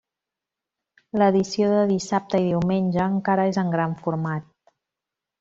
L'edició de dissabte i diumenge encara és en gran format.